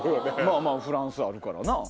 まぁフランスあるからな。